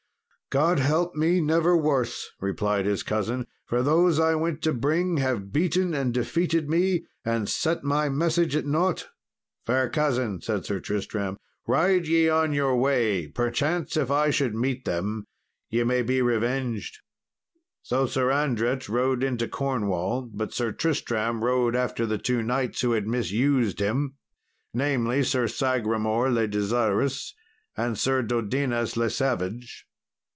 "God help me, never worse," replied his cousin; "for those I went to bring have beaten and defeated me, and set my message at naught." "Fair cousin," said Sir Tristram, "ride ye on your way, perchance if I should meet them ye may be revenged." So Sir Andret rode into Cornwall, but Sir Tristram rode after the two knights who had misused him, namely, Sir Sagramour le Desirous, and Sir Dodinas le Savage.